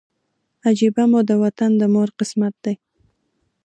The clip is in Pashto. عجیبه مو د وطن د مور قسمت دی